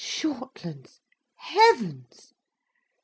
"Shortlands!—Heavens!